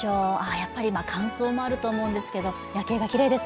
やっぱり今乾燥もあると思うんですけど夜景がきれいです。